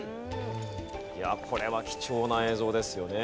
いやこれは貴重な映像ですよね。